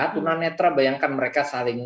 tunanetra bayangkan mereka saling